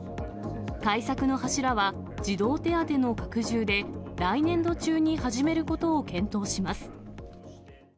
対策の柱は、児童手当の拡充で、来年度中に始めることを検討します。